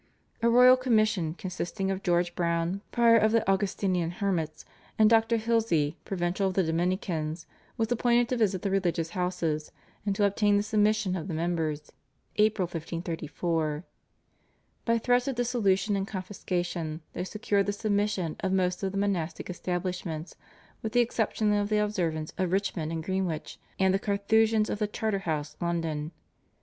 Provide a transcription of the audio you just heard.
A royal commission consisting of George Brown, Prior of the Augustinian Hermits, and Dr. Hilsey, Provincial of the Dominicans, was appointed to visit the religious houses and to obtain the submission of the members (April 1534). By threats of dissolution and confiscation they secured the submission of most of the monastic establishments with the exception of the Observants of Richmond and Greenwich and the Carthusians of the Charterhouse, London.